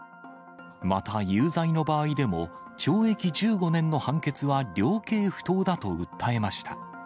また有罪の場合でも、懲役１５年の判決は量刑不当だと訴えました。